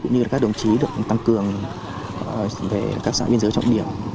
cũng như các đồng chí được tăng cường về các xã biên giới trọng điểm